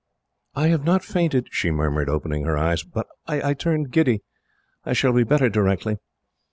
"I have not fainted," she murmured, opening her eyes, "but I turned giddy. I shall be better, directly."